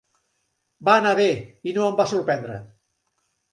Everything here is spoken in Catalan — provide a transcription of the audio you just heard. Va anar bé, i no em va sorprendre.